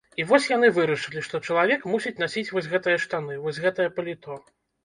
І вось яны вырашылі, што чалавек мусіць насіць вось гэтыя штаны, вось гэтае паліто.